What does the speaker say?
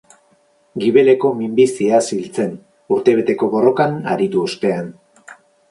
Gibeleko minbiziaz hil zen, urtebeteko borrokan aritu ostean.